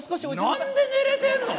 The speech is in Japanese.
何で寝れてんの？